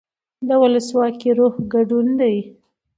د ولسواکۍ روح ګډون دی